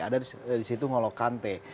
ada di situ n'olo kante